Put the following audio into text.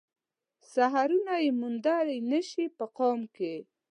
سحرونه يې موندای نه شي په قام کې